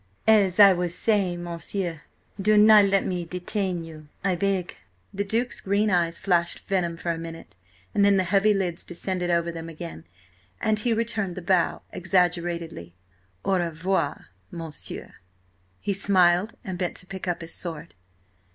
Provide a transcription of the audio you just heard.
"As I was saying, m'sieu–do not let me detain you, I beg." The Duke's green eyes flashed venom for a minute, and then the heavy lids descended over them again, and he returned the bow exaggeratedly. "Au revoir, monsieur," he smiled, and bent to pick up his sword.